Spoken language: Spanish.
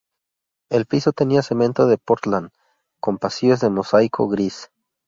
El piso tenía cemento de Pórtland, con pasillos de mosaico gris.